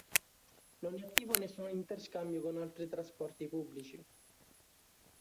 Non è attivo nessun interscambio con gli altri trasporti pubblici.